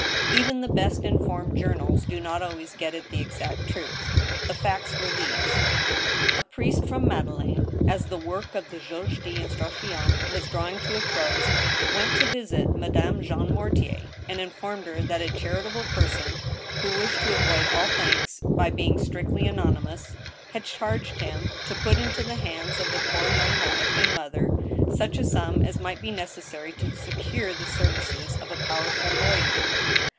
Even the best informed journals do not always get at the exact truth. The facts were these : A priest from the Madeleine, as the work of ^t,juge d* instruc tion was drawing to a close, went to visit Madame Jean Mortier, and informed her that a charitable person, who wished to avoid all thanks by being strictly anonymous, had charged him to put into the hands of the poor young wife and mother such a sum as might be necessary to secure the services of a powerful lawyer.